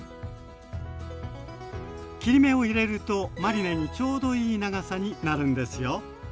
切り目を入れるとマリネにちょうどいい長さになるんですよ。